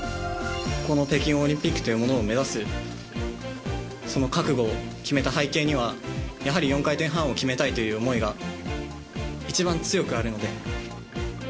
この北京オリンピックというものを目指す、その覚悟を決めた背景には、やはり４回転半を決めたいという思いが一番強くあるので。